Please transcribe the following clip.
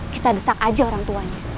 kita desak aja orang tuanya